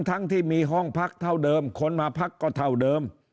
ทั้งที่มีห้องพักเท่าเดิมคนมาพักก็เท่าเดิม